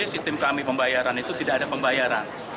sistem kami pembayaran itu tidak ada pembayaran